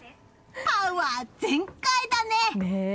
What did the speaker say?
パワー全開だね！